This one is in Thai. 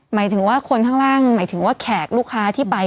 หมายถึงว่าคนข้างล่างหมายถึงว่าแขกลูกค้าที่ไป